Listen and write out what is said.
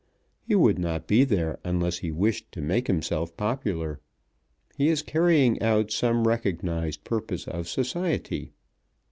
He would not be there unless he wished to make himself popular. He is carrying out some recognized purpose of society.